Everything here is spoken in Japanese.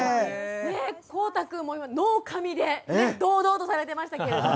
孝汰君も、ノーかみで堂々とされてましたけど。